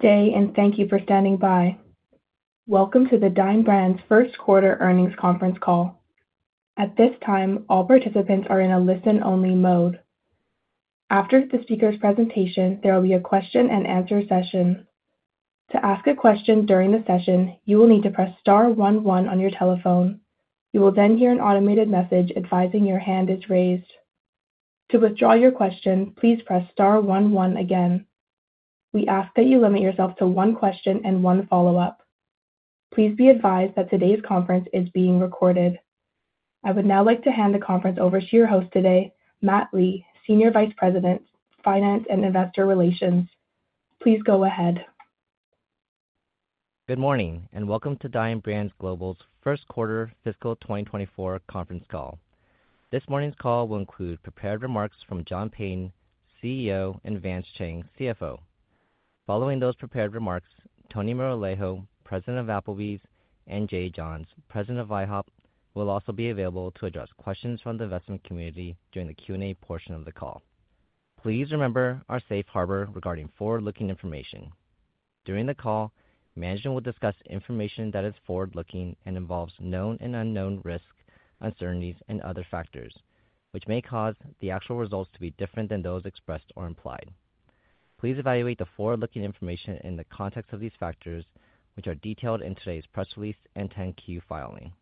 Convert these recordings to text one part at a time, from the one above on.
Good day and thank you for standing by. Welcome to the Dine Brands first quarter earnings conference call. At this time, all participants are in a listen-only mode. After the speaker's presentation, there will be a question-and-answer session. To ask a question during the session, you will need to press star 11 on your telephone. You will then hear an automated message advising your hand is raised. To withdraw your question, please press star 11 again. We ask that you limit yourself to one question and one follow-up. Please be advised that today's conference is being recorded. I would now like to hand the conference over to your host today, Matt Lee, Senior Vice President, Finance and Investor Relations. Please go ahead. Good morning and welcome to Dine Brands Global's first quarter fiscal 2024 conference call. This morning's call will include prepared remarks from John Peyton, CEO, and Vance Chang, CFO. Following those prepared remarks, Tony Moralejo, President of Applebee's, and Jay Johns, President of IHOP, will also be available to address questions from the investment community during the Q&A portion of the call. Please remember our safe harbor regarding forward-looking information. During the call, management will discuss information that is forward-looking and involves known and unknown risk, uncertainties, and other factors, which may cause the actual results to be different than those expressed or implied. Please evaluate the forward-looking information in the context of these factors, which are detailed in today's press release and 10-Q filing.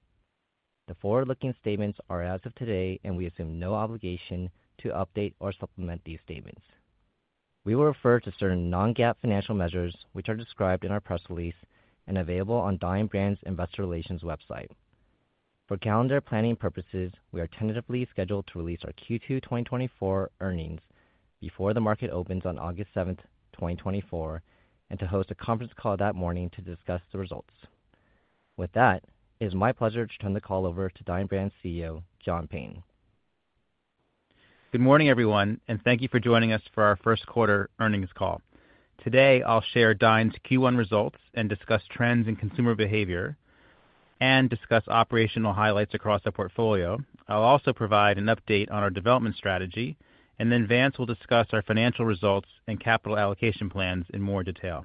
The forward-looking statements are as of today, and we assume no obligation to update or supplement these statements. We will refer to certain non-GAAP financial measures, which are described in our press release and available on Dine Brands' Investor Relations website. For calendar planning purposes, we are tentatively scheduled to release our Q2 2024 earnings before the market opens on August 7, 2024, and to host a conference call that morning to discuss the results. With that, it is my pleasure to turn the call over to Dine Brands CEO John Peyton. Good morning, everyone, and thank you for joining us for our first quarter earnings call. Today, I'll share Dine's Q1 results and discuss trends in consumer behavior and discuss operational highlights across our portfolio. I'll also provide an update on our development strategy, and then Vance will discuss our financial results and capital allocation plans in more detail.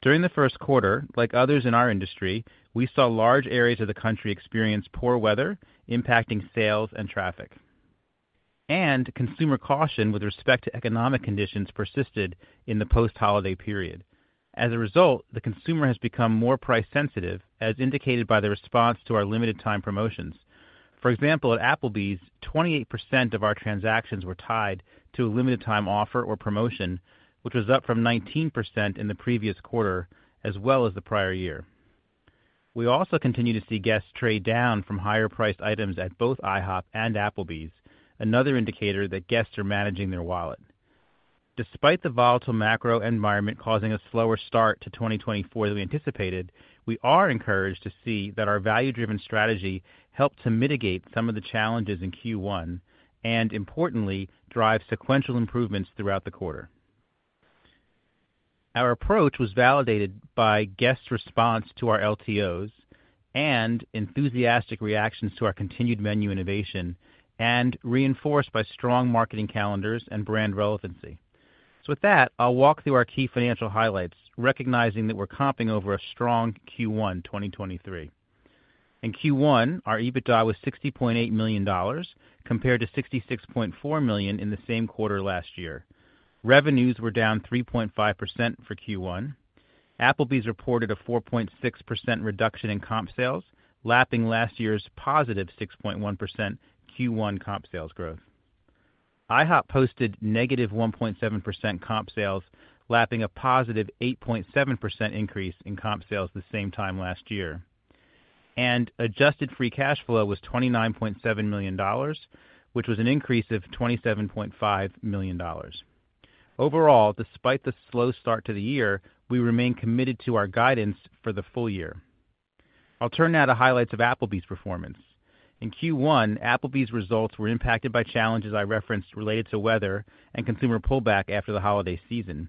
During the first quarter, like others in our industry, we saw large areas of the country experience poor weather impacting sales and traffic, and consumer caution with respect to economic conditions persisted in the post-holiday period. As a result, the consumer has become more price-sensitive, as indicated by the response to our limited-time promotions. For example, at Applebee's, 28% of our transactions were tied to a limited-time offer or promotion, which was up from 19% in the previous quarter as well as the prior year. We also continue to see guests trade down from higher-priced items at both IHOP and Applebee's, another indicator that guests are managing their wallet. Despite the volatile macro environment causing a slower start to 2024 than we anticipated, we are encouraged to see that our value-driven strategy helped to mitigate some of the challenges in Q1 and, importantly, drive sequential improvements throughout the quarter. Our approach was validated by guests' response to our LTOs and enthusiastic reactions to our continued menu innovation, and reinforced by strong marketing calendars and brand relevancy. So with that, I'll walk through our key financial highlights, recognizing that we're comping over a strong Q1 2023. In Q1, our EBITDA was $60.8 million compared to $66.4 million in the same quarter last year. Revenues were down 3.5% for Q1. Applebee's reported a 4.6% reduction in comp sales, lapping last year's positive 6.1% Q1 comp sales growth. IHOP posted -1.7% comp sales, lapping a +8.7% increase in comp sales the same time last year. Adjusted free cash flow was $29.7 million, which was an increase of $27.5 million. Overall, despite the slow start to the year, we remain committed to our guidance for the full year. I'll turn now to highlights of Applebee's performance. In Q1, Applebee's results were impacted by challenges I referenced related to weather and consumer pullback after the holiday season.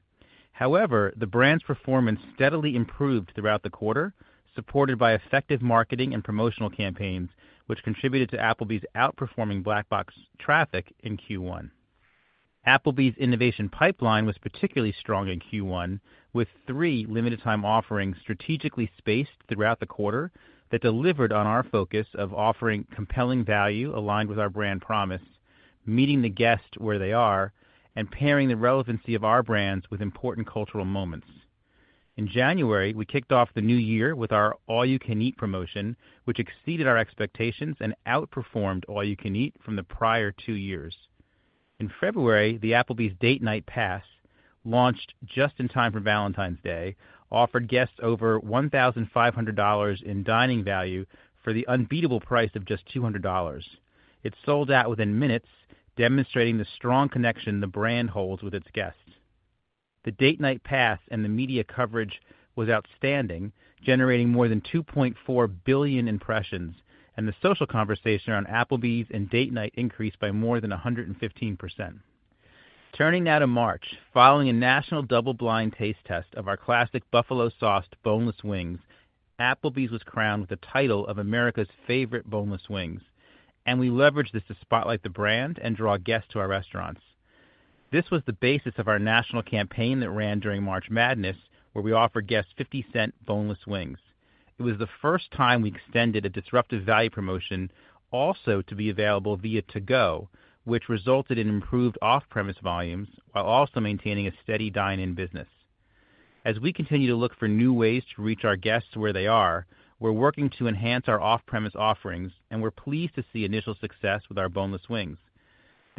However, the brand's performance steadily improved throughout the quarter, supported by effective marketing and promotional campaigns, which contributed to Applebee's outperforming Black Box traffic in Q1. Applebee's innovation pipeline was particularly strong in Q1, with three limited-time offerings strategically spaced throughout the quarter that delivered on our focus of offering compelling value aligned with our brand promise, meeting the guest where they are, and pairing the relevancy of our brands with important cultural moments. In January, we kicked off the new year with our All You Can Eat promotion, which exceeded our expectations and outperformed All You Can Eat from the prior two years. In February, the Applebee's Date Night Pass, launched just in time for Valentine's Day, offered guests over $1,500 in dining value for the unbeatable price of just $200. It sold out within minutes, demonstrating the strong connection the brand holds with its guests. The Date Night Pass and the media coverage was outstanding, generating more than 2.4 billion impressions, and the social conversation around Applebee's and Date Night increased by more than 115%. Turning now to March, following a national double-blind taste test of our classic buffalo-sauced boneless wings, Applebee's was crowned with the title of America's Favorite Boneless Wings, and we leveraged this to spotlight the brand and draw guests to our restaurants. This was the basis of our national campaign that ran during March Madness, where we offered guests $0.50 boneless wings. It was the first time we extended a disruptive value promotion also to be available via to-go, which resulted in improved off-premise volumes while also maintaining a steady dine-in business. As we continue to look for new ways to reach our guests where they are, we're working to enhance our off-premise offerings, and we're pleased to see initial success with our boneless wings.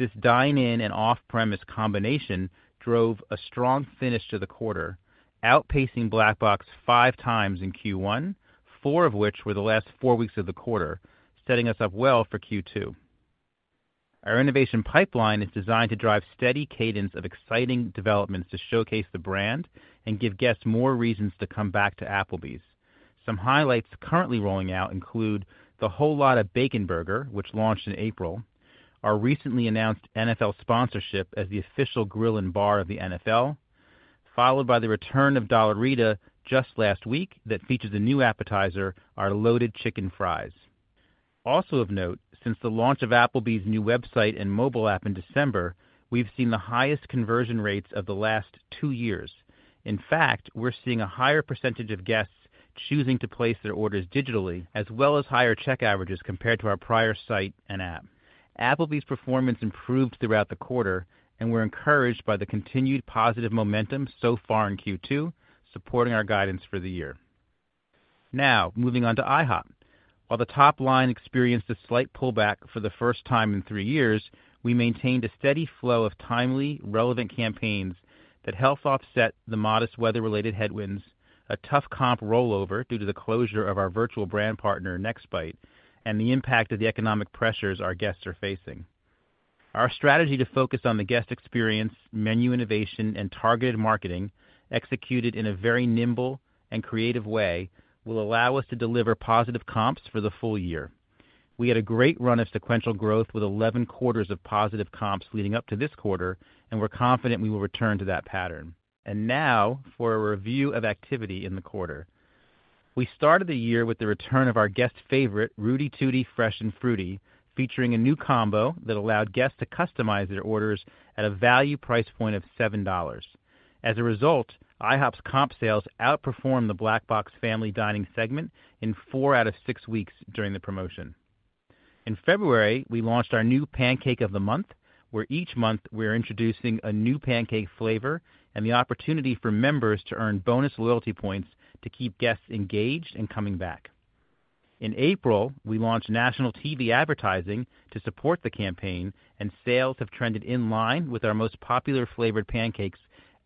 This dine-in and off-premise combination drove a strong finish to the quarter, outpacing Black Box 5 times in Q1, 4 of which were the last 4 weeks of the quarter, setting us up well for Q2. Our innovation pipeline is designed to drive steady cadence of exciting developments to showcase the brand and give guests more reasons to come back to Applebee's. Some highlights currently rolling out include the Whole Lotta Bacon Burger, which launched in April, our recently announced NFL sponsorship as the official grill and bar of the NFL, followed by the return of Dollarita just last week that features a new appetizer, our Loaded Chicken Fries. Also of note, since the launch of Applebee's new website and mobile app in December, we've seen the highest conversion rates of the last two years. In fact, we're seeing a higher percentage of guests choosing to place their orders digitally, as well as higher check averages compared to our prior site and app. Applebee's performance improved throughout the quarter, and we're encouraged by the continued positive momentum so far in Q2, supporting our guidance for the year. Now, moving on to IHOP. While the top line experienced a slight pullback for the first time in three years, we maintained a steady flow of timely, relevant campaigns that helped offset the modest weather-related headwinds, a tough comp rollover due to the closure of our virtual brand partner, Nextbite, and the impact of the economic pressures our guests are facing. Our strategy to focus on the guest experience, menu innovation, and targeted marketing, executed in a very nimble and creative way, will allow us to deliver positive comps for the full year. We had a great run of sequential growth with 11 quarters of positive comps leading up to this quarter, and we're confident we will return to that pattern. Now for a review of activity in the quarter. We started the year with the return of our guest favorite, Rooty Tooty Fresh 'N Fruity, featuring a new combo that allowed guests to customize their orders at a value price point of $7. As a result, IHOP's comp sales outperformed the Black Box family dining segment in four out of six weeks during the promotion. In February, we launched our new Pancake of the Month, where each month we're introducing a new pancake flavor and the opportunity for members to earn bonus loyalty points to keep guests engaged and coming back. In April, we launched national TV advertising to support the campaign, and sales have trended in line with our most popular flavored pancakes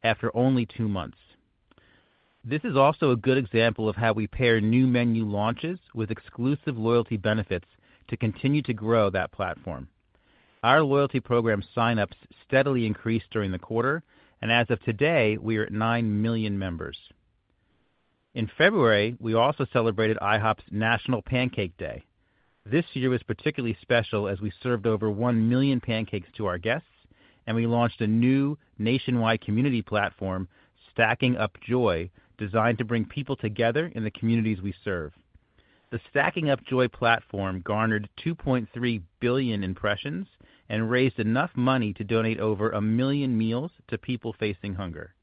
after only two months. This is also a good example of how we pair new menu launches with exclusive loyalty benefits to continue to grow that platform. Our loyalty program sign-ups steadily increased during the quarter, and as of today, we are at 9 million members. In February, we also celebrated IHOP's National Pancake Day. This year was particularly special as we served over 1 million pancakes to our guests, and we launched a new nationwide community platform, Stacking Up Joy, designed to bring people together in the communities we serve. The Stacking Up Joy platform garnered 2.3 billion impressions and raised enough money to donate over 1 million meals to people facing hunger.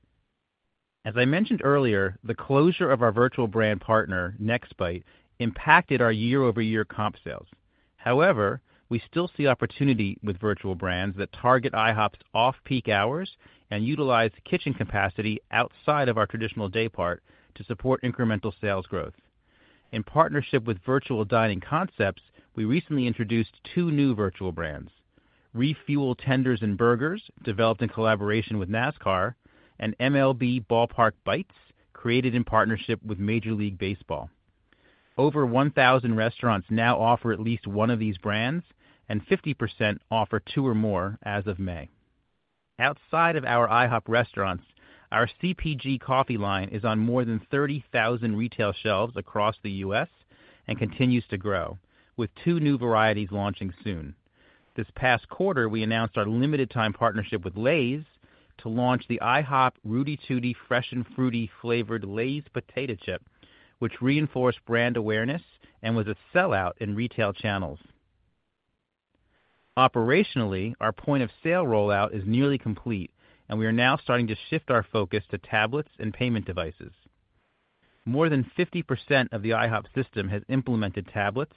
As I mentioned earlier, the closure of our virtual brand partner, Nextbite, impacted our year-over-year comp sales. However, we still see opportunity with virtual brands that target IHOP's off-peak hours and utilize kitchen capacity outside of our traditional day part to support incremental sales growth. In partnership with Virtual Dining Concepts, we recently introduced two new virtual brands: Refuel Tenders and Burgers, developed in collaboration with NASCAR, and MLB Ballpark Bites, created in partnership with Major League Baseball. Over 1,000 restaurants now offer at least one of these brands, and 50% offer two or more as of May. Outside of our IHOP restaurants, our CPG coffee line is on more than 30,000 retail shelves across the U.S. and continues to grow, with two new varieties launching soon. This past quarter, we announced our limited-time partnership with Lay's to launch the IHOP Rooty Tooty Fresh 'N Fruity flavored Lay's Potato Chip, which reinforced brand awareness and was a sellout in retail channels. Operationally, our point-of-sale rollout is nearly complete, and we are now starting to shift our focus to tablets and payment devices. More than 50% of the IHOP system has implemented tablets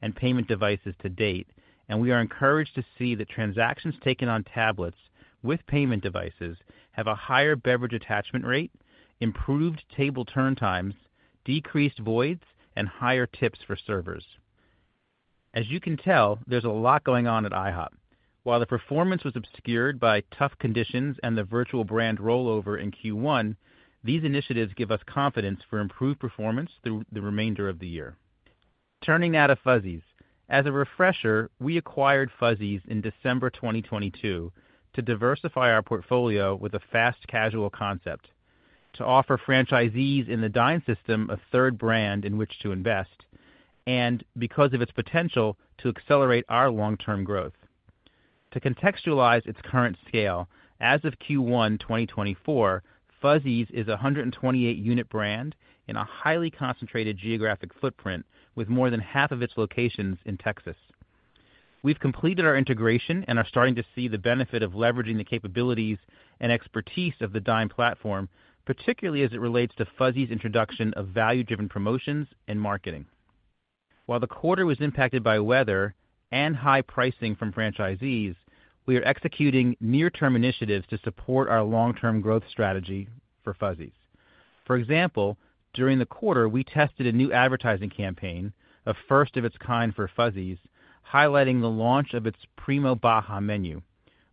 and payment devices to date, and we are encouraged to see that transactions taken on tablets with payment devices have a higher beverage attachment rate, improved table turn times, decreased voids, and higher tips for servers. As you can tell, there's a lot going on at IHOP. While the performance was obscured by tough conditions and the virtual brand rollover in Q1, these initiatives give us confidence for improved performance through the remainder of the year. Turning now to Fuzzy's. As a refresher, we acquired Fuzzy's in December 2022 to diversify our portfolio with a fast casual concept, to offer franchisees in the Dine system a third brand in which to invest, and because of its potential to accelerate our long-term growth. To contextualize its current scale, as of Q1 2024, Fuzzy's is a 128-unit brand in a highly concentrated geographic footprint with more than half of its locations in Texas. We've completed our integration and are starting to see the benefit of leveraging the capabilities and expertise of the Dine platform, particularly as it relates to Fuzzy's' introduction of value-driven promotions and marketing. While the quarter was impacted by weather and high pricing from franchisees, we are executing near-term initiatives to support our long-term growth strategy for Fuzzy's. For example, during the quarter, we tested a new advertising campaign, a first of its kind for Fuzzy's, highlighting the launch of its Primo Baja menu.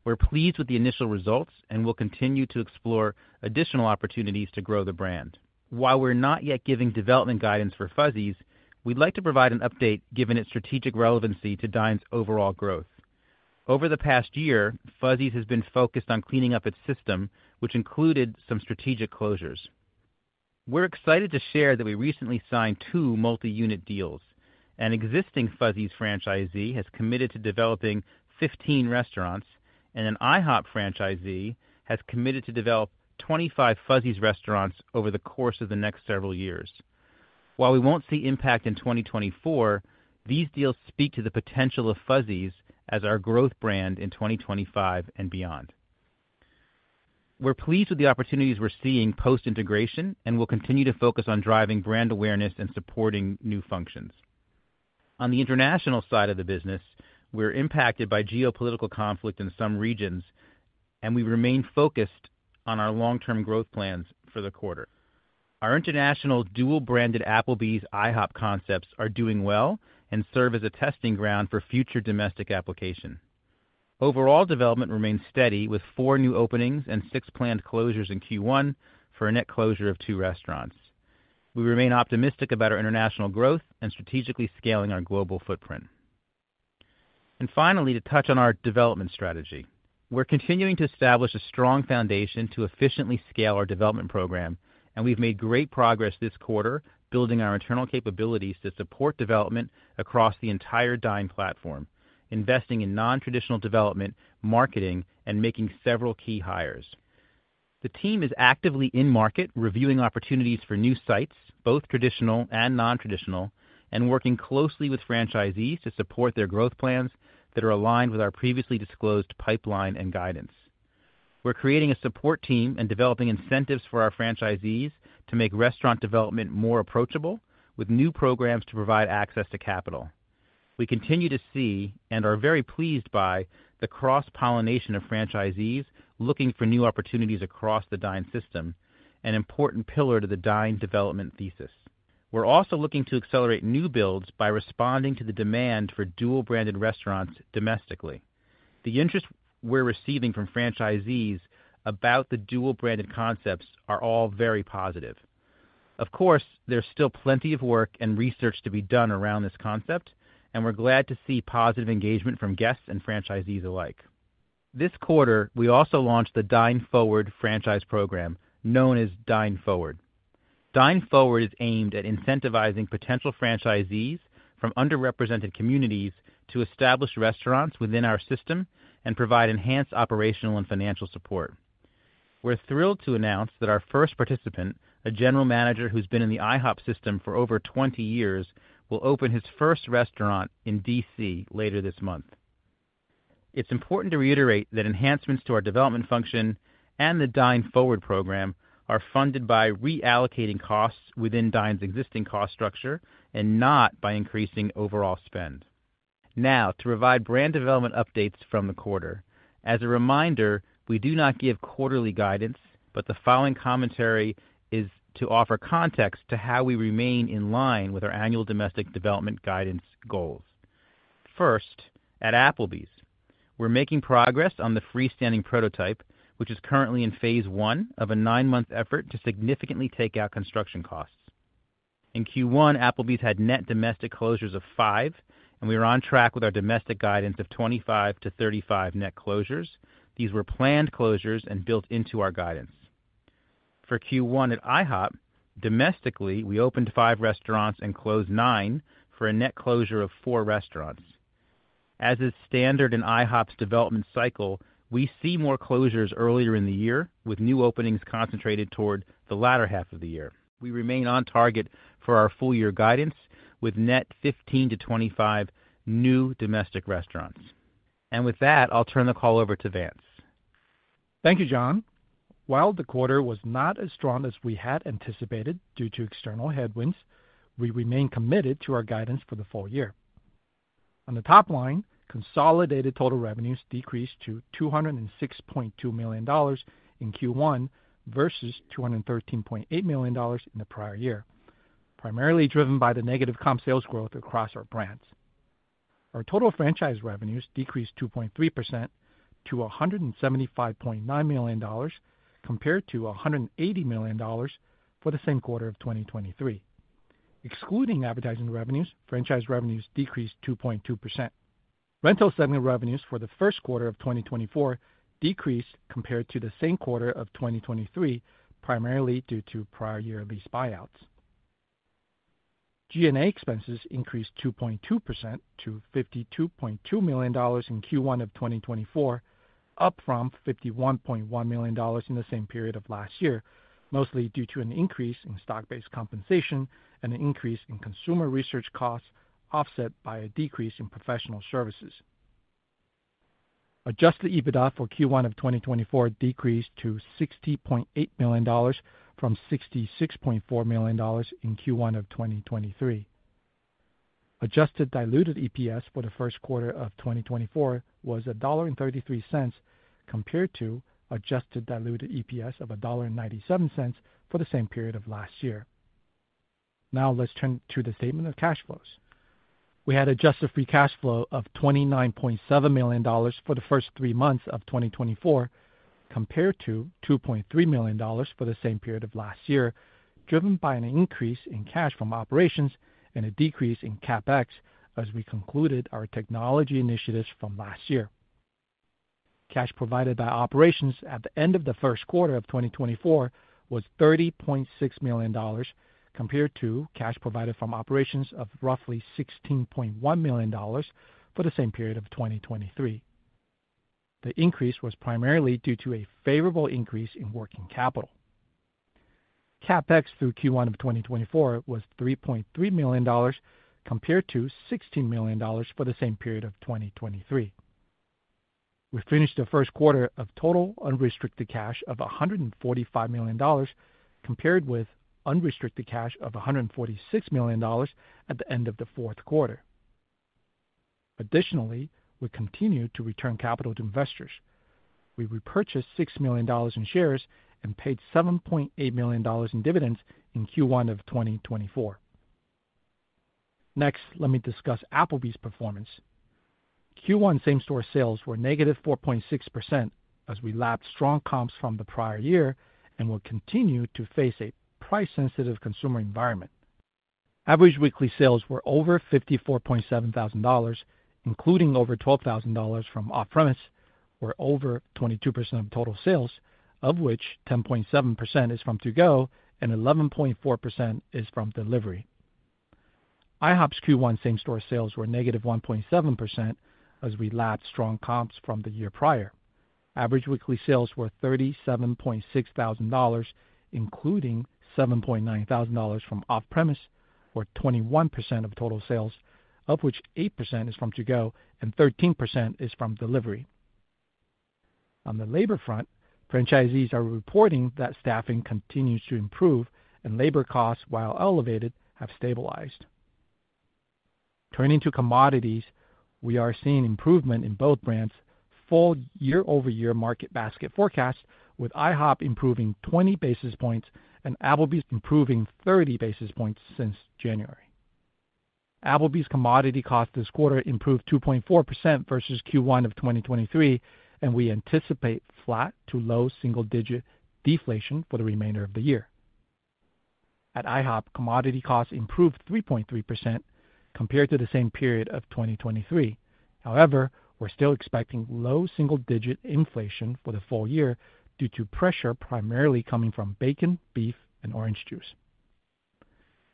We're pleased with the initial results and will continue to explore additional opportunities to grow the brand. While we're not yet giving development guidance for Fuzzy's, we'd like to provide an update given its strategic relevancy to Dine's overall growth. Over the past year, Fuzzy's has been focused on cleaning up its system, which included some strategic closures. We're excited to share that we recently signed two multi-unit deals. An existing Fuzzy's franchisee has committed to developing 15 restaurants, and an IHOP franchisee has committed to develop 25 Fuzzy's restaurants over the course of the next several years. While we won't see impact in 2024, these deals speak to the potential of Fuzzy's as our growth brand in 2025 and beyond. We're pleased with the opportunities we're seeing post-integration and will continue to focus on driving brand awareness and supporting new functions. On the international side of the business, we're impacted by geopolitical conflict in some regions, and we remain focused on our long-term growth plans for the quarter. Our international dual-branded Applebee's IHOP concepts are doing well and serve as a testing ground for future domestic application. Overall development remains steady with 4 new openings and 6 planned closures in Q1 for a net closure of 2 restaurants. We remain optimistic about our international growth and strategically scaling our global footprint. And finally, to touch on our development strategy, we're continuing to establish a strong foundation to efficiently scale our development program, and we've made great progress this quarter building our internal capabilities to support development across the entire Dine platform, investing in non-traditional development, marketing, and making several key hires. The team is actively in market reviewing opportunities for new sites, both traditional and non-traditional, and working closely with franchisees to support their growth plans that are aligned with our previously disclosed pipeline and guidance. We're creating a support team and developing incentives for our franchisees to make restaurant development more approachable with new programs to provide access to capital. We continue to see and are very pleased by the cross-pollination of franchisees looking for new opportunities across the Dine system, an important pillar to the Dine development thesis. We're also looking to accelerate new builds by responding to the demand for dual-branded restaurants domestically. The interest we're receiving from franchisees about the dual-branded concepts are all very positive. Of course, there's still plenty of work and research to be done around this concept, and we're glad to see positive engagement from guests and franchisees alike. This quarter, we also launched the Dine Forward franchise program known as Dine Forward. Dine Forward is aimed at incentivizing potential franchisees from underrepresented communities to establish restaurants within our system and provide enhanced operational and financial support. We're thrilled to announce that our first participant, a general manager who's been in the IHOP system for over 20 years, will open his first restaurant in D.C. later this month. It's important to reiterate that enhancements to our development function and the Dine Forward program are funded by reallocating costs within Dine's existing cost structure and not by increasing overall spend. Now, to provide brand development updates from the quarter. As a reminder, we do not give quarterly guidance, but the following commentary is to offer context to how we remain in line with our annual domestic development guidance goals. First, at Applebee's, we're making progress on the freestanding prototype, which is currently in phase one of a 9-month effort to significantly take out construction costs. In Q1, Applebee's had net domestic closures of 5, and we were on track with our domestic guidance of 25-35 net closures. These were planned closures and built into our guidance. For Q1 at IHOP, domestically, we opened 5 restaurants and closed 9 for a net closure of 4 restaurants. As is standard in IHOP's development cycle, we see more closures earlier in the year with new openings concentrated toward the latter half of the year. We remain on target for our full-year guidance with net 15-25 new domestic restaurants. With that, I'll turn the call over to Vance. Thank you, John. While the quarter was not as strong as we had anticipated due to external headwinds, we remain committed to our guidance for the full year. On the top line, consolidated total revenues decreased to $206.2 million in Q1 versus $213.8 million in the prior year, primarily driven by the negative comp sales growth across our brands. Our total franchise revenues decreased 2.3% to $175.9 million compared to $180 million for the same quarter of 2023. Excluding advertising revenues, franchise revenues decreased 2.2%. Rental segment revenues for the first quarter of 2024 decreased compared to the same quarter of 2023, primarily due to prior-year lease buyouts. G&A expenses increased 2.2% to $52.2 million in Q1 of 2024, up from $51.1 million in the same period of last year, mostly due to an increase in stock-based compensation and an increase in consumer research costs offset by a decrease in professional services. Adjusted EBITDA for Q1 of 2024 decreased to $60.8 million from $66.4 million in Q1 of 2023. Adjusted Diluted EPS for the first quarter of 2024 was $1.33 compared to Adjusted Diluted EPS of $1.97 for the same period of last year. Now, let's turn to the statement of cash flows. We had Adjusted Free Cash Flow of $29.7 million for the first three months of 2024 compared to $2.3 million for the same period of last year, driven by an increase in cash from operations and a decrease in CapEx as we concluded our technology initiatives from last year. Cash provided by operations at the end of the first quarter of 2024 was $30.6 million compared to cash provided from operations of roughly $16.1 million for the same period of 2023. The increase was primarily due to a favorable increase in working capital. CapEx through Q1 of 2024 was $3.3 million compared to $16 million for the same period of 2023. We finished the first quarter of total unrestricted cash of $145 million compared with unrestricted cash of $146 million at the end of the fourth quarter. Additionally, we continue to return capital to investors. We repurchased $6 million in shares and paid $7.8 million in dividends in Q1 of 2024. Next, let me discuss Applebee's performance. Q1 same-store sales were -4.6% as we lapped strong comps from the prior year and will continue to face a price-sensitive consumer environment. Average weekly sales were over $54.7 thousand, including over $12,000 from off-premise, were over 22% of total sales, of which 10.7% is from to-go and 11.4% is from delivery. IHOP's Q1 same-store sales were -1.7% as we lapped strong comps from the year prior. Average weekly sales were $37.6 thousand, including $7.9 thousand from off-premise, or 21% of total sales, of which 8% is from to-go and 13% is from delivery. On the labor front, franchisees are reporting that staffing continues to improve and labor costs while elevated have stabilized. Turning to commodities, we are seeing improvement in both brands' full year-over-year market basket forecast, with IHOP improving 20 basis points and Applebee's improving 30 basis points since January. Applebee's commodity costs this quarter improved 2.4% versus Q1 of 2023, and we anticipate flat to low single-digit deflation for the remainder of the year. At IHOP, commodity costs improved 3.3% compared to the same period of 2023. However, we're still expecting low single-digit inflation for the full year due to pressure primarily coming from bacon, beef, and orange juice.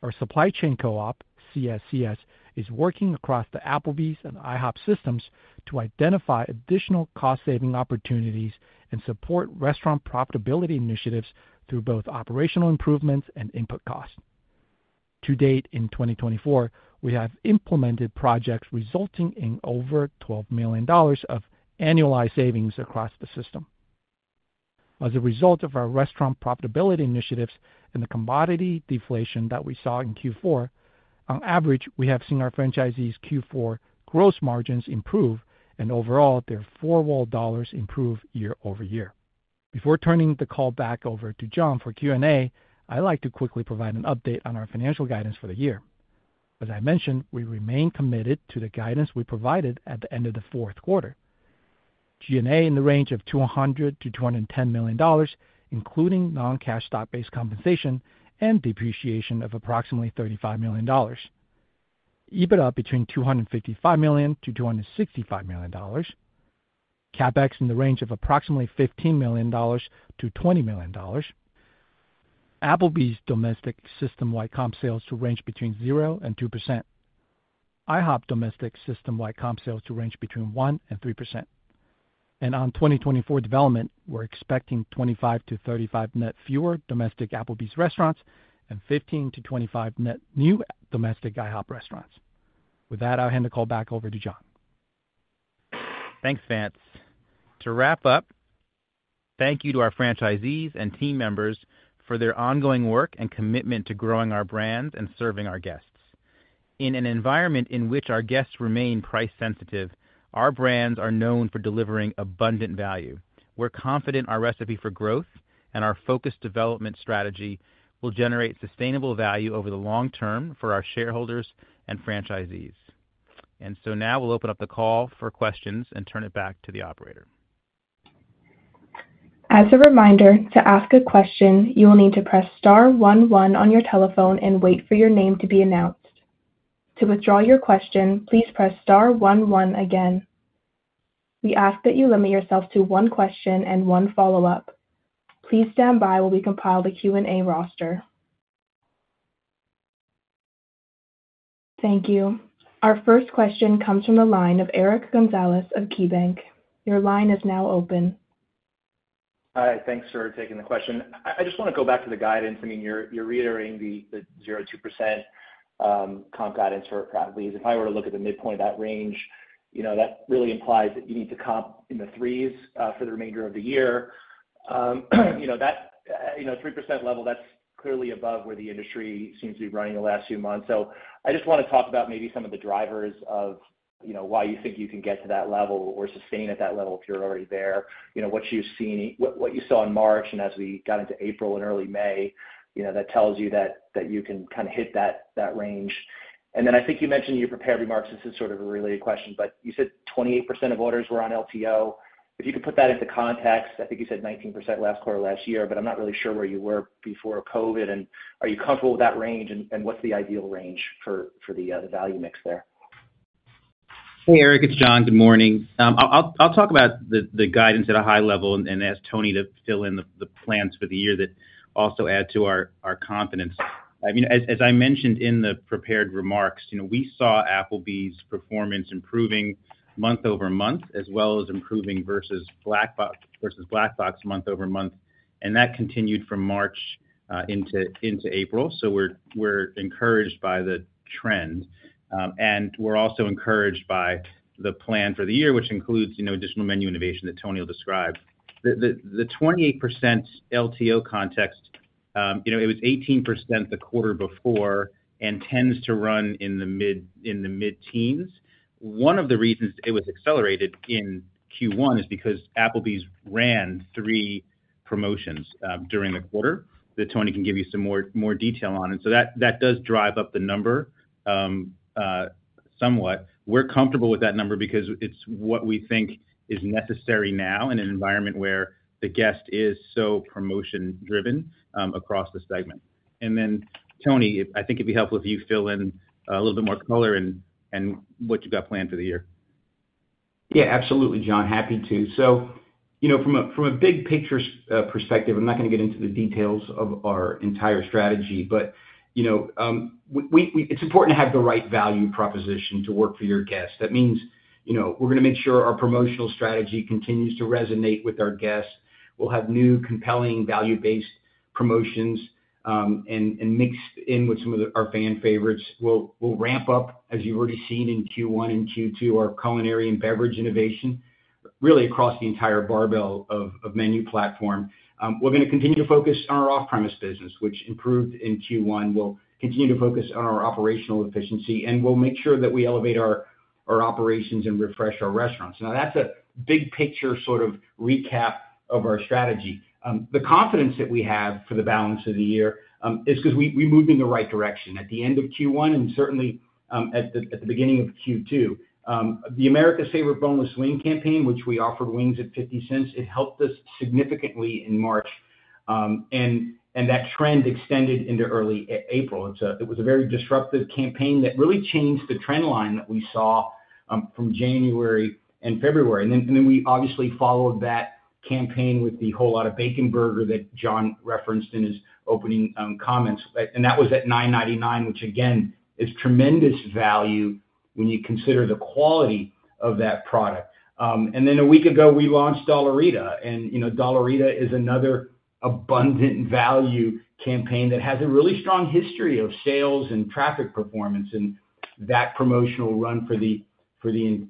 Our supply chain co-op, CSCS, is working across the Applebee's and IHOP systems to identify additional cost-saving opportunities and support restaurant profitability initiatives through both operational improvements and input costs. To date in 2024, we have implemented projects resulting in over $12 million of annualized savings across the system. As a result of our restaurant profitability initiatives and the commodity deflation that we saw in Q4, on average, we have seen our franchisees' Q4 gross margins improve and overall their four-wall dollars improve year-over-year. Before turning the call back over to John for Q&A, I'd like to quickly provide an update on our financial guidance for the year. As I mentioned, we remain committed to the guidance we provided at the end of the fourth quarter. G&A in the range of $200-$210 million, including non-cash stock-based compensation and depreciation of approximately $35 million. EBITDA between $255-$265 million. CapEx in the range of approximately $15-$20 million. Applebee's domestic system-wide comp sales to range between 0%-2%. IHOP domestic system-wide comp sales to range between 1%-3%. And on 2024 development, we're expecting 25-35 net fewer domestic Applebee's restaurants and 15-25 net new domestic IHOP restaurants. With that, I'll hand the call back over to John. Thanks, Vance. To wrap up, thank you to our franchisees and team members for their ongoing work and commitment to growing our brands and serving our guests. In an environment in which our guests remain price-sensitive, our brands are known for delivering abundant value. We're confident our recipe for growth and our focused development strategy will generate sustainable value over the long term for our shareholders and franchisees. And so now we'll open up the call for questions and turn it back to the operator. As a reminder, to ask a question, you will need to press star 11 on your telephone and wait for your name to be announced. To withdraw your question, please press star 11 again. We ask that you limit yourself to one question and one follow-up. Please stand by while we compile the Q&A roster. Thank you. Our first question comes from the line of Eric Gonzalez of KeyBanc. Your line is now open. Hi. Thanks for taking the question. I just want to go back to the guidance. I mean, you're reiterating the 0%-2% comp guidance for Applebee's. If I were to look at the midpoint of that range, that really implies that you need to comp in the threes for the remainder of the year. That 3% level, that's clearly above where the industry seems to be running the last few months. So I just want to talk about maybe some of the drivers of why you think you can get to that level or sustain at that level if you're already there, what you saw in March and as we got into April and early May, that tells you that you can kind of hit that range. And then I think you mentioned your prepared remarks. This is sort of a related question, but you said 28% of orders were on LTO. If you could put that into context, I think you said 19% last quarter last year, but I'm not really sure where you were before COVID. And are you comfortable with that range, and what's the ideal range for the value mix there? Hey, Eric. It's John. Good morning. I'll talk about the guidance at a high level and ask Tony to fill in the plans for the year that also add to our confidence. I mean, as I mentioned in the prepared remarks, we saw Applebee's performance improving month-over-month as well as improving versus Black Box month-over-month, and that continued from March into April. So we're encouraged by the trend, and we're also encouraged by the plan for the year, which includes additional menu innovation that Tony will describe. The 28% LTO context, it was 18% the quarter before and tends to run in the mid-teens. One of the reasons it was accelerated in Q1 is because Applebee's ran three promotions during the quarter that Tony can give you some more detail on. And so that does drive up the number somewhat. We're comfortable with that number because it's what we think is necessary now in an environment where the guest is so promotion-driven across the segment. And then, Tony, I think it'd be helpful if you fill in a little bit more color in what you've got planned for the year. Yeah, absolutely, John. Happy to. From a big picture perspective, I'm not going to get into the details of our entire strategy, but it's important to have the right value proposition to work for your guests. That means we're going to make sure our promotional strategy continues to resonate with our guests. We'll have new compelling value-based promotions and mix in with some of our fan favorites. We'll ramp up, as you've already seen in Q1 and Q2, our culinary and beverage innovation really across the entire barbell of menu platform. We're going to continue to focus on our Off-Premise business, which improved in Q1. We'll continue to focus on our operational efficiency, and we'll make sure that we elevate our operations and refresh our restaurants. Now, that's a big picture sort of recap of our strategy. The confidence that we have for the balance of the year is because we moved in the right direction at the end of Q1 and certainly at the beginning of Q2. The America's Favorite Boneless Wing campaign, which we offered wings at $0.50, it helped us significantly in March, and that trend extended into early April. It was a very disruptive campaign that really changed the trend line that we saw from January and February. Then we obviously followed that campaign with the Whole Lotta Bacon Burger that John referenced in his opening comments. That was at $9.99, which again is tremendous value when you consider the quality of that product. Then a week ago, we launched Dollarita. Dollarita is another abundant value campaign that has a really strong history of sales and traffic performance in that promotional run for the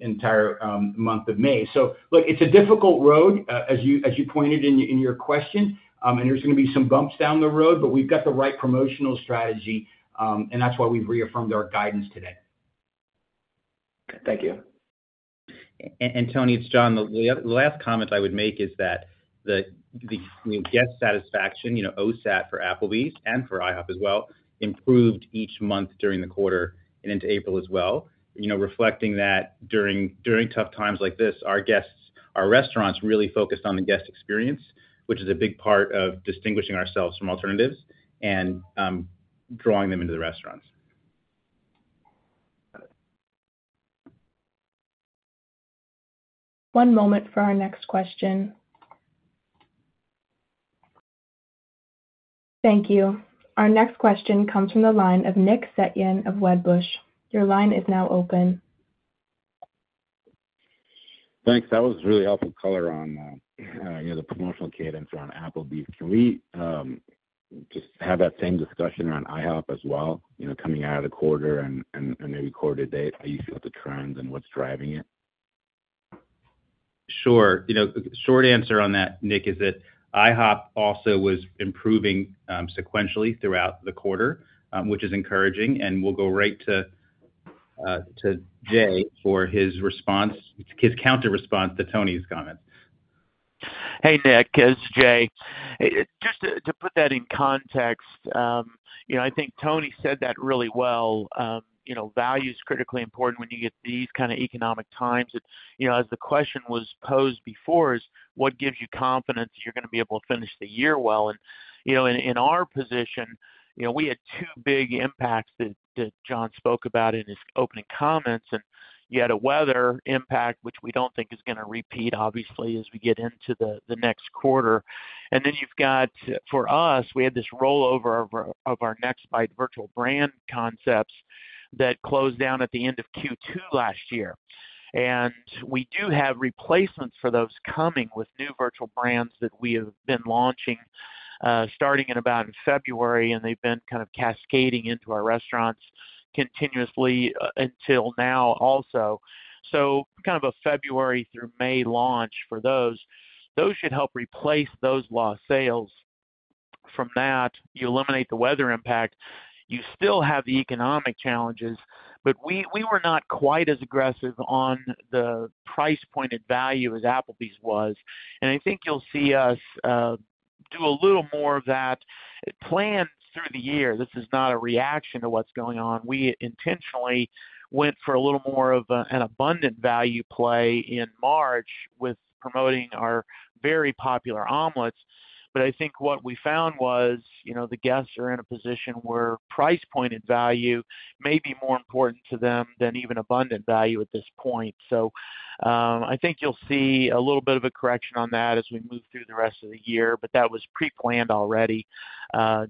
entire month of May. So look, it's a difficult road, as you pointed in your question, and there's going to be some bumps down the road, but we've got the right promotional strategy, and that's why we've reaffirmed our guidance today. Thank you. Tony, it's John. The last comment I would make is that the guest satisfaction, OSAT for Applebee's and for IHOP as well, improved each month during the quarter and into April as well. Reflecting that during tough times like this, our guests, our restaurants really focused on the guest experience, which is a big part of distinguishing ourselves from alternatives and drawing them into the restaurants. One moment for our next question. Thank you. Our next question comes from the line of Nick Setyan of Wedbush. Your line is now open. Thanks. That was really helpful color on the promotional cadence around Applebee's. Can we just have that same discussion around IHOP as well, coming out of the quarter and maybe quarter to date? How you feel the trends and what's driving it? Sure. Short answer on that, Nick, is that IHOP also was improving sequentially throughout the quarter, which is encouraging. We'll go right to Jay for his response his counterresponse to Tony's comments. Hey, Nick. It's Jay. Just to put that in context, I think Tony said that really well. Value is critically important when you get these kind of economic times. As the question was posed before is, what gives you confidence you're going to be able to finish the year well? In our position, we had two big impacts that John spoke about in his opening comments. You had a weather impact, which we don't think is going to repeat, obviously, as we get into the next quarter. Then you've got, for us, we had this rollover of our Nextbite virtual brand concepts that closed down at the end of Q2 last year. We do have replacements for those coming with new virtual brands that we have been launching starting in about February, and they've been kind of cascading into our restaurants continuously until now also. So kind of a February through May launch for those, those should help replace those lost sales. From that, you eliminate the weather impact. You still have the economic challenges, but we were not quite as aggressive on the price-pointed value as Applebee's was. And I think you'll see us do a little more of that plan through the year. This is not a reaction to what's going on. We intentionally went for a little more of an abundant value play in March with promoting our very popular omelets. But I think what we found was the guests are in a position where price-pointed value may be more important to them than even abundant value at this point. So I think you'll see a little bit of a correction on that as we move through the rest of the year, but that was pre-planned already,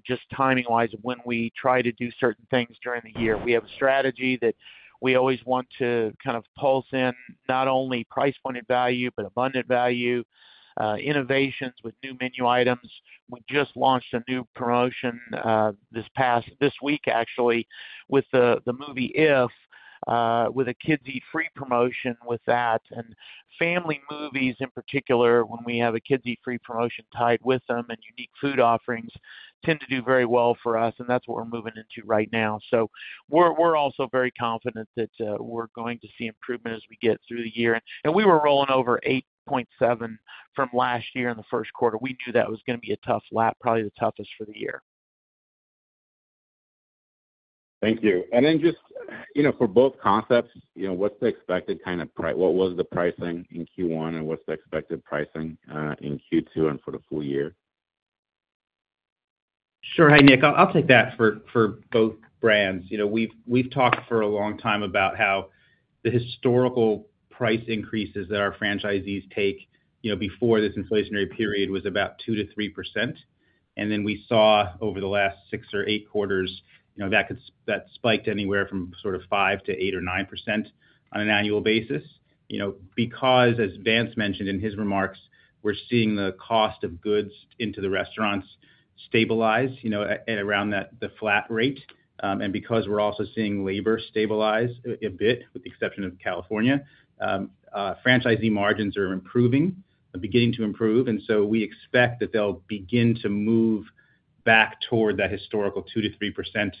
just timing-wise of when we try to do certain things during the year. We have a strategy that we always want to kind of pulse in not only price-pointed value, but abundant value, innovations with new menu items. We just launched a new promotion this week, actually, with the movie IF, with a kids-eat-free promotion with that. And family movies in particular, when we have a kids-eat-free promotion tied with them and unique food offerings, tend to do very well for us, and that's what we're moving into right now. So we're also very confident that we're going to see improvement as we get through the year. And we were rolling over 8.7 from last year in the first quarter. We knew that was going to be a tough lap, probably the toughest for the year. Thank you. And then just for both concepts, what's the expected kind of what was the pricing in Q1, and what's the expected pricing in Q2 and for the full year? Sure. Hi, Nick. I'll take that for both brands. We've talked for a long time about how the historical price increases that our franchisees take before this inflationary period was about 2%-3%. And then we saw over the last 6 or 8 quarters, that spiked anywhere from sort of 5%-8% or 9% on an annual basis. Because, as Vance mentioned in his remarks, we're seeing the cost of goods into the restaurants stabilize around the flat rate. And because we're also seeing labor stabilize a bit, with the exception of California, franchisee margins are improving, beginning to improve. And so we expect that they'll begin to move back toward that historical 2%-3%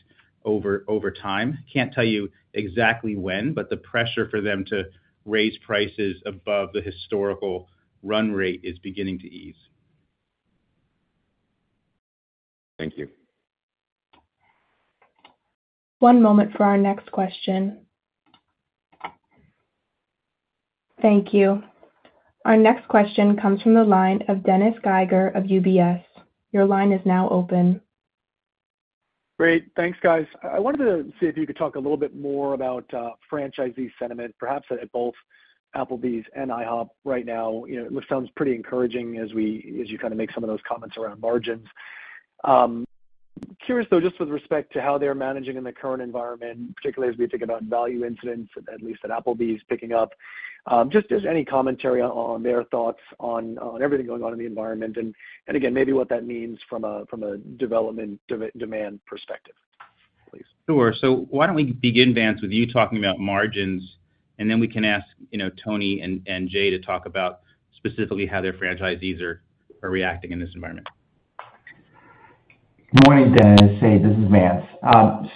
over time. Can't tell you exactly when, but the pressure for them to raise prices above the historical run rate is beginning to ease. Thank you. One moment for our next question. Thank you. Our next question comes from the line of Dennis Geiger of UBS. Your line is now open. Great. Thanks, guys. I wanted to see if you could talk a little bit more about franchisee sentiment, perhaps at both Applebee's and IHOP right now. It sounds pretty encouraging as you kind of make some of those comments around margins. Curious, though, just with respect to how they're managing in the current environment, particularly as we think about value incidents, at least at Applebee's, picking up, just any commentary on their thoughts on everything going on in the environment and, again, maybe what that means from a development demand perspective, please? Sure. So why don't we begin, Vance, with you talking about margins, and then we can ask Tony and Jay to talk about specifically how their franchisees are reacting in this environment? Good morning. This is Vance.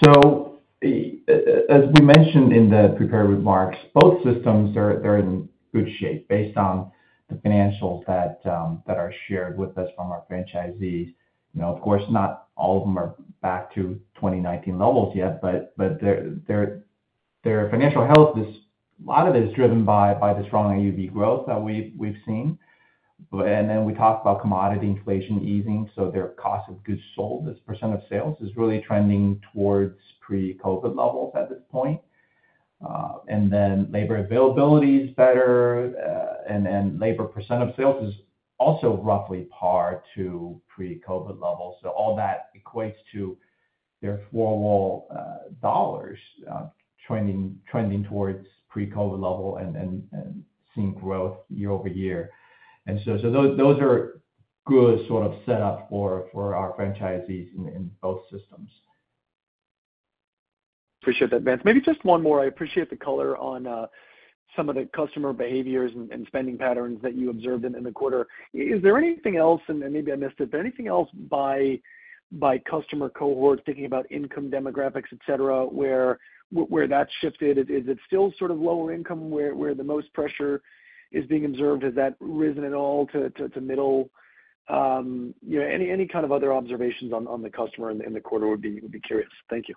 So as we mentioned in the prepared remarks, both systems, they're in good shape based on the financials that are shared with us from our franchisees. Of course, not all of them are back to 2019 levels yet, but their financial health, a lot of it is driven by this strong IUV growth that we've seen. And then we talked about commodity inflation easing. So their cost of goods sold, this % of sales, is really trending towards pre-COVID levels at this point. And then labor availability is better, and labor % of sales is also roughly par to pre-COVID levels. So all that equates to their four-wall dollars trending towards pre-COVID level and seeing growth year-over-year. And so those are good sort of setups for our franchisees in both systems. Appreciate that, Vance. Maybe just one more. I appreciate the color on some of the customer behaviors and spending patterns that you observed in the quarter. Is there anything else and maybe I missed it? But anything else by customer cohorts, thinking about income demographics, etc., where that shifted? Is it still sort of lower income where the most pressure is being observed? Has that risen at all to middle? Any kind of other observations on the customer in the quarter would be curious. Thank you.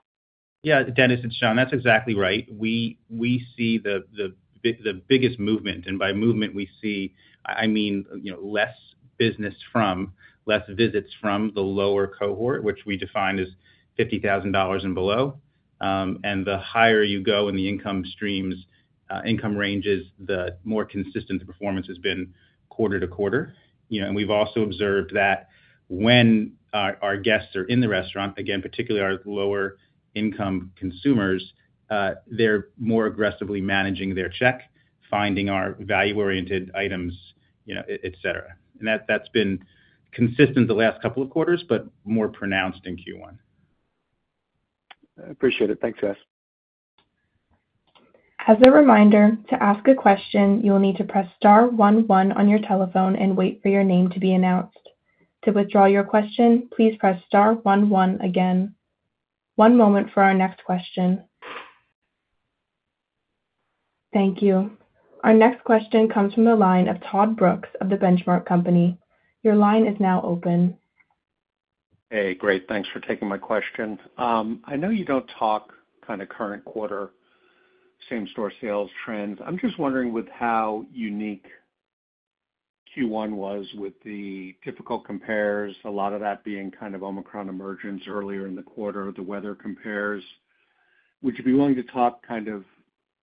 Yeah, Dennis, it's John. That's exactly right. We see the biggest movement, and by movement, we see, I mean, less business from, less visits from the lower cohort, which we define as $50,000 and below. And the higher you go in the income streams, income ranges, the more consistent the performance has been quarter to quarter. And we've also observed that when our guests are in the restaurant, again, particularly our lower-income consumers, they're more aggressively managing their check, finding our value-oriented items, etc. And that's been consistent the last couple of quarters, but more pronounced in Q1. I appreciate it. Thanks, guys. As a reminder, to ask a question, you'll need to press star one one on your telephone and wait for your name to be announced. To withdraw your question, please press star 11 again. One moment for our next question. Thank you. Our next question comes from the line of Todd Brooks of The Benchmark Company. Your line is now open. Hey, great. Thanks for taking my question. I know you don't talk kind of current quarter, same-store sales trends. I'm just wondering with how unique Q1 was with the difficult compares, a lot of that being kind of Omicron emergence earlier in the quarter, the weather compares. Would you be willing to talk kind of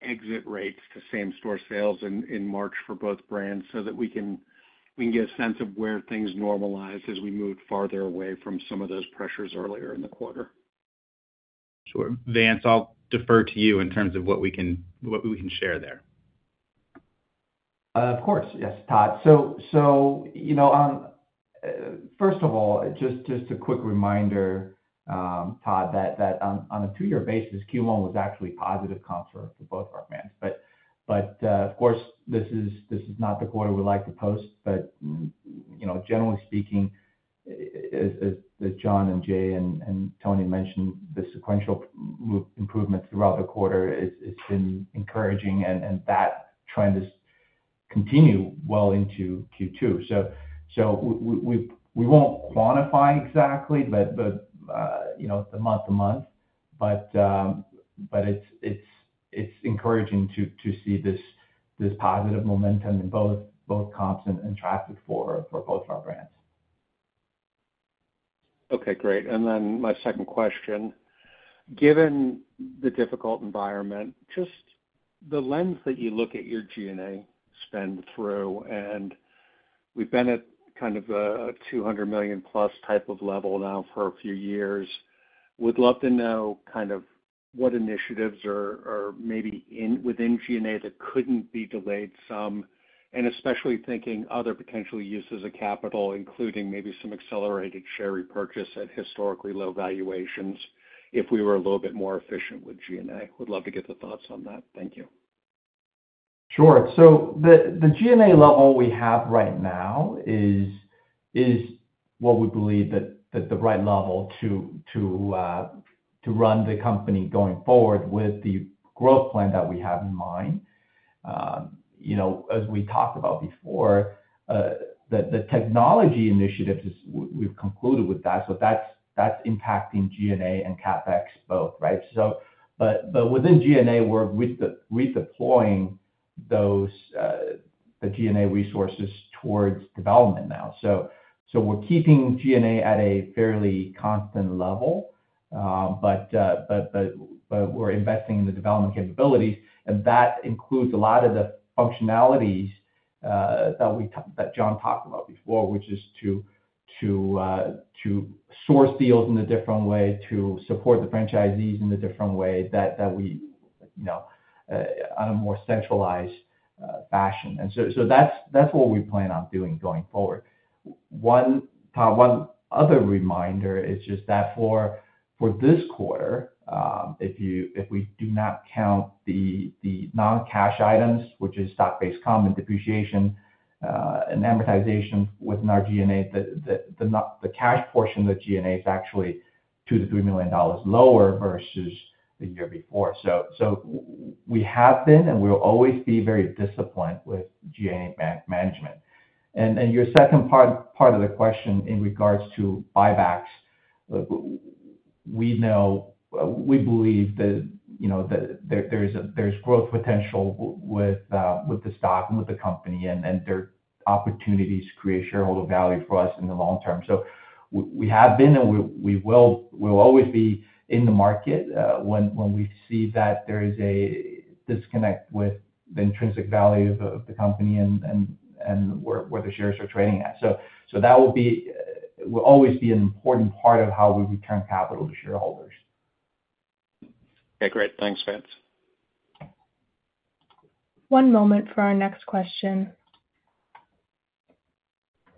exit rates to same-store sales in March for both brands so that we can get a sense of where things normalize as we move farther away from some of those pressures earlier in the quarter? Sure. Vance, I'll defer to you in terms of what we can share there. Of course. Yes, Todd. So first of all, just a quick reminder, Todd, that on a two-year basis, Q1 was actually positive comps for both our brands. But of course, this is not the quarter we like to post. But generally speaking, as John and Jay and Tony mentioned, the sequential improvements throughout the quarter have been encouraging, and that trend has continued well into Q2. So we won't quantify exactly, but the month-to-month. But it's encouraging to see this positive momentum in both comps and traffic for both of our brands. Okay, great. And then my second question. Given the difficult environment, just the lens that you look at your G&A spend through, and we've been at kind of a $200 million-plus type of level now for a few years, would love to know kind of what initiatives are maybe within G&A that couldn't be delayed some, and especially thinking other potential uses of capital, including maybe some accelerated share repurchase at historically low valuations if we were a little bit more efficient with G&A. Would love to get the thoughts on that. Thank you. Sure. So the G&A level we have right now is what we believe that the right level to run the company going forward with the growth plan that we have in mind. As we talked about before, the technology initiatives, we've concluded with that. So that's impacting G&A and CapEx both, right? But within G&A, we're redeploying the G&A resources towards development now. So we're keeping G&A at a fairly constant level, but we're investing in the development capabilities. And that includes a lot of the functionalities that John talked about before, which is to source deals in a different way, to support the franchisees in a different way that we on a more centralized fashion. And so that's what we plan on doing going forward. Todd, one other reminder is just that for this quarter, if we do not count the non-cash items, which is stock-based comp and depreciation and amortization within our G&A, the cash portion of the G&A is actually $2 million-$3 million lower versus the year before. So we have been, and we'll always be very disciplined with G&A management. And your second part of the question in regards to buybacks, we believe that there's growth potential with the stock and with the company and there are opportunities to create shareholder value for us in the long term. So we have been, and we will always be in the market when we see that there is a disconnect with the intrinsic value of the company and where the shares are trading at. So that will always be an important part of how we return capital to shareholders. Okay, great. Thanks, Vance. One moment for our next question.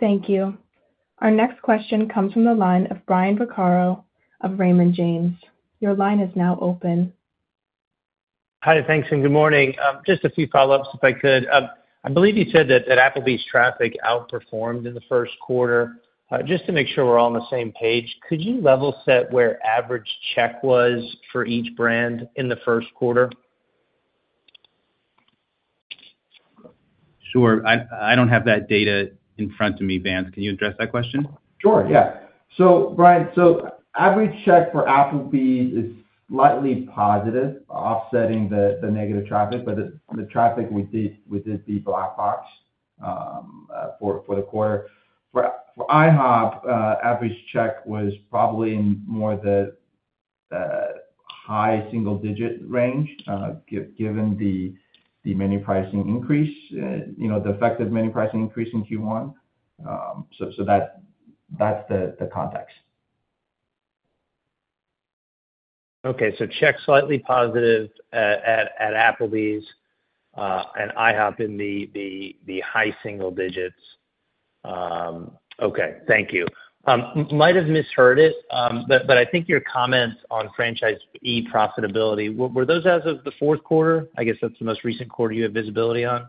Thank you. Our next question comes from the line of Brian Vaccaro of Raymond James. Your line is now open. Hi, thanks, and good morning. Just a few follow-ups if I could. I believe you said that Applebee's traffic outperformed in the first quarter. Just to make sure we're all on the same page, could you level set where average check was for each brand in the first quarter? Sure. I don't have that data in front of me, Vance. Can you address that question? Sure. Yeah. So, Brian, so average check for Applebee's is slightly positive, offsetting the negative traffic, but the traffic would be black box for the quarter. For IHOP, average check was probably in more the high single-digit range given the menu pricing increase, the effective menu pricing increase in Q1. So that's the context. Okay. So checks, slightly positive at Applebee's and IHOP in the high single digits. Okay. Thank you. Might have misheard it, but I think your comments on franchisee profitability were those as of the fourth quarter? I guess that's the most recent quarter you have visibility on,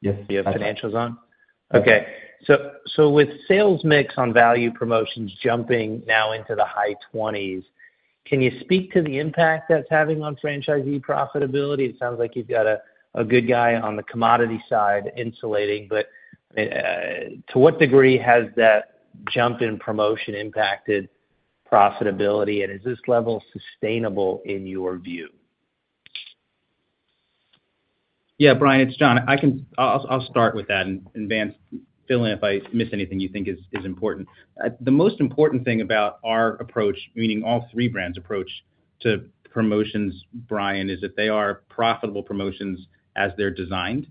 your financials on? Yes. Yes. Okay. So with sales mix on value promotions jumping now into the high 20s, can you speak to the impact that's having on franchisee profitability? It sounds like you've got a good guy on the commodity side insulating, but to what degree has that jump in promotion impacted profitability, and is this level sustainable in your view? Yeah, Brian, it's John. I'll start with that, and Vance, fill in if I miss anything you think is important. The most important thing about our approach, meaning all three brands' approach to promotions, Brian, is that they are profitable promotions as they're designed.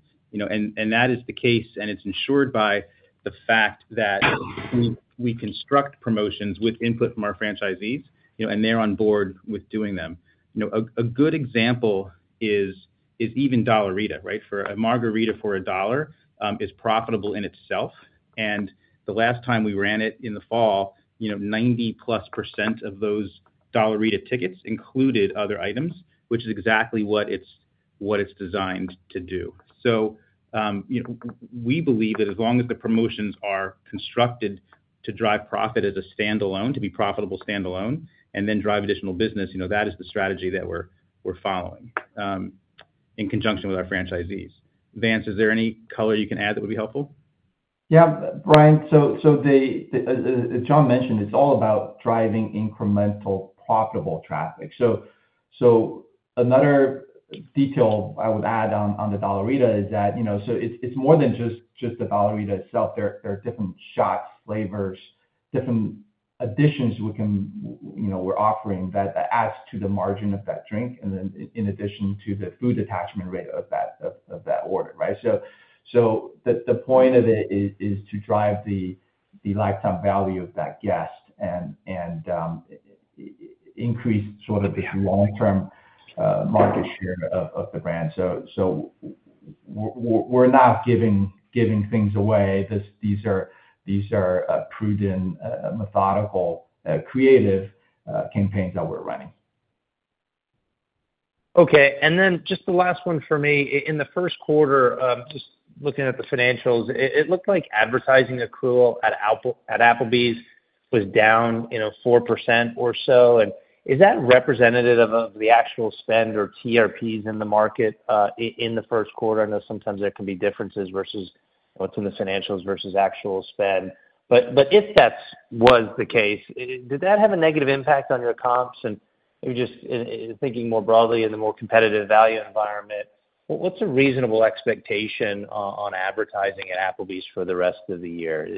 And that is the case, and it's ensured by the fact that we construct promotions with input from our franchisees, and they're on board with doing them. A good example is even Dollarita, right? A Margarita for $1 is profitable in itself. And the last time we ran it in the fall, 90%+ of those Dollarita tickets included other items, which is exactly what it's designed to do. We believe that as long as the promotions are constructed to drive profit as a standalone, to be profitable standalone, and then drive additional business, that is the strategy that we're following in conjunction with our franchisees. Vance, is there any color you can add that would be helpful? Yeah, Brian. So as John mentioned, it's all about driving incremental profitable traffic. So another detail I would add on the Dollarita is that so it's more than just the Dollarita itself. There are different shots, flavors, different additions we're offering that adds to the margin of that drink and then in addition to the food attachment rate of that order, right? So the point of it is to drive the lifetime value of that guest and increase sort of the long-term market share of the brand. So we're not giving things away. These are prudent, methodical, creative campaigns that we're running. Okay. And then just the last one for me. In the first quarter, just looking at the financials, it looked like advertising accrual at Applebee's was down 4% or so. And is that representative of the actual spend or TRPs in the market in the first quarter? I know sometimes there can be differences versus what's in the financials versus actual spend. But if that was the case, did that have a negative impact on your comps? And thinking more broadly in the more competitive value environment, what's a reasonable expectation on advertising at Applebee's for the rest of the year?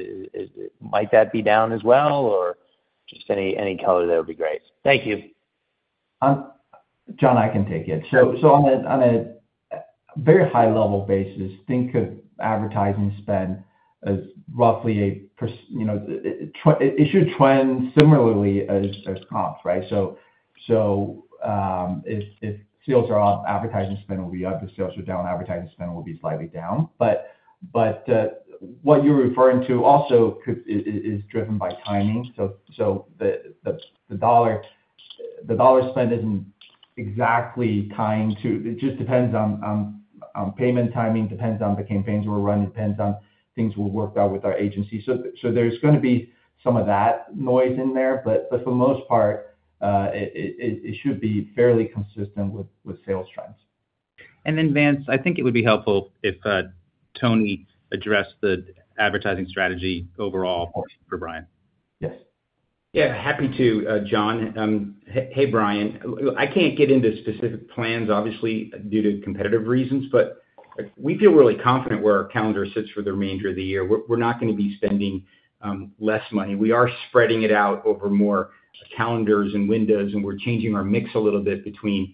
Might that be down as well, or just any color there would be great. Thank you. John, I can take it. So on a very high-level basis, think of advertising spend as roughly a it should trend similarly as comps, right? So if sales are up, advertising spend will be up. If sales are down, advertising spend will be slightly down. But what you're referring to also is driven by timing. So the dollar spend isn't exactly tying to it just depends on payment timing, depends on the campaigns we're running, depends on things we've worked out with our agency. So there's going to be some of that noise in there. But for the most part, it should be fairly consistent with sales trends. And then, Vance, I think it would be helpful if Tony addressed the advertising strategy overall for Brian. Yes. Yeah, happy to, John. Hey, Brian. I can't get into specific plans, obviously, due to competitive reasons, but we feel really confident where our calendar sits for the remainder of the year. We're not going to be spending less money. We are spreading it out over more calendars and windows, and we're changing our mix a little bit between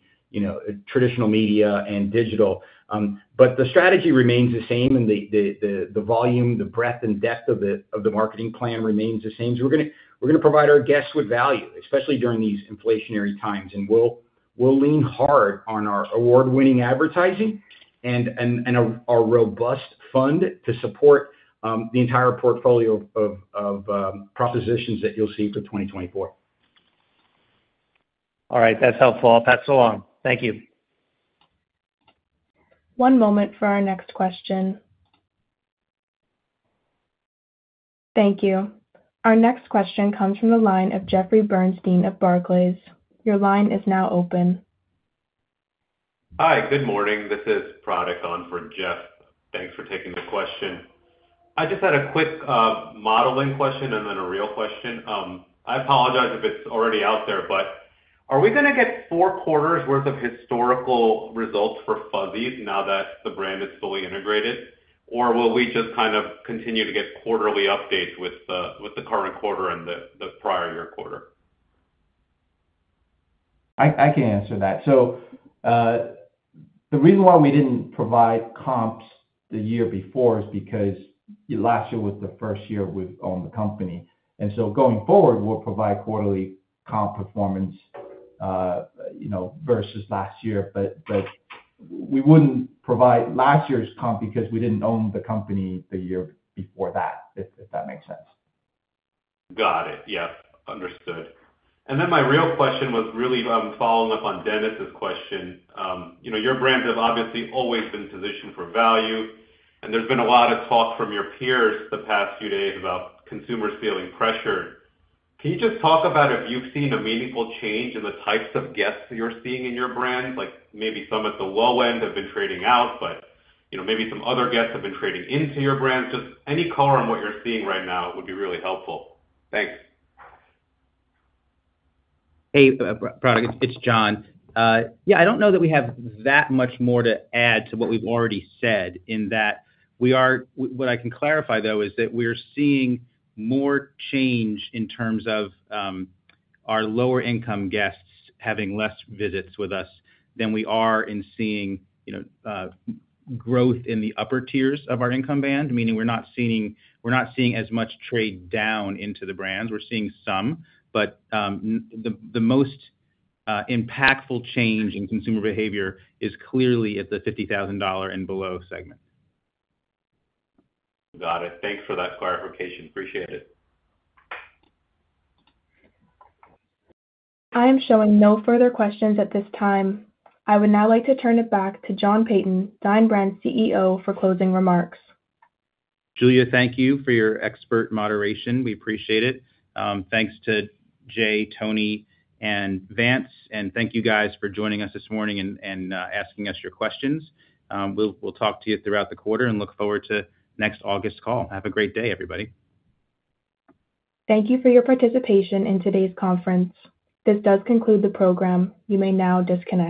traditional media and digital. But the strategy remains the same, and the volume, the breadth, and depth of the marketing plan remains the same. So we're going to provide our guests with value, especially during these inflationary times. And we'll lean hard on our award-winning advertising and our robust fund to support the entire portfolio of propositions that you'll see for 2024. All right. That's helpful. I'll pass it along. Thank you. One moment for our next question. Thank you. Our next question comes from the line of Jeffrey Bernstein, of Barclays. Your line is now open. Hi. Good morning. This is Pratik on for Jeff. Thanks for taking the question. I just had a quick modeling question and then a real question. I apologize if it's already out there, but are we going to get four quarters' worth of historical results for Fuzzy's now that the brand is fully integrated, or will we just kind of continue to get quarterly updates with the current quarter and the prior year quarter? I can answer that. The reason why we didn't provide comps the year before is because last year was the first year we've owned the company. Going forward, we'll provide quarterly comp performance versus last year. But we wouldn't provide last year's comp because we didn't own the company the year before that, if that makes sense. Got it. Yep. Understood. And then my real question was really following up on Dennis's question. Your brands have obviously always been positioned for value, and there's been a lot of talk from your peers the past few days about consumers feeling pressured. Can you just talk about if you've seen a meaningful change in the types of guests that you're seeing in your brands? Maybe some at the low end have been trading out, but maybe some other guests have been trading into your brands. Just any color on what you're seeing right now would be really helpful. Thanks. Hey, Pratik. It's John. Yeah, I don't know that we have that much more to add to what we've already said in that what I can clarify, though, is that we're seeing more change in terms of our lower-income guests having less visits with us than we are in seeing growth in the upper tiers of our income band, meaning we're not seeing as much trade down into the brands. We're seeing some, but the most impactful change in consumer behavior is clearly at the $50,000 and below segment. Got it. Thanks for that clarification. Appreciate it. I am showing no further questions at this time. I would now like to turn it back to John Peyton, Dine Brands CEO, for closing remarks. Julia, thank you for your expert moderation. We appreciate it. Thanks to Jay, Tony, and Vance. And thank you guys for joining us this morning and asking us your questions. We'll talk to you throughout the quarter and look forward to next August call. Have a great day, everybody. Thank you for your participation in today's conference. This does conclude the program. You may now disconnect.